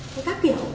cái các kiểu